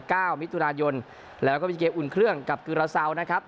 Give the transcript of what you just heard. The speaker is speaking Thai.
เก้ามิถุนายนแล้วก็มีเกมอุ่นเครื่องกับกิราเซานะครับ